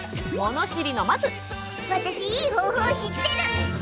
私、いい方法知ってる！